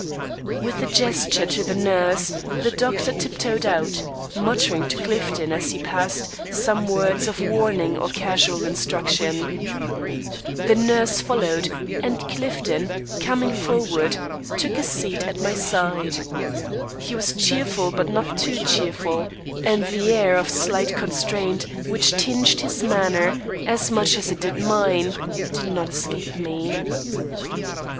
With a gesture to the nurse, the doctor tiptoed out, muttering to Clifton, as he passed, some word of warning or casual instruction. The nurse followed, and Clifton, coming forward, took a seat at my side. He was cheerful but not too cheerful; and the air of slight constraint which tinged his manner, as much as it did mine, did not escape me.